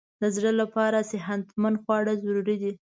د زړه لپاره صحتمند خواړه ضروري دي.